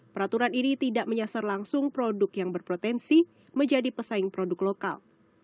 peraturan ini tidak menyasar langsung produk yang berpotensi menjadi pesaing produk lokal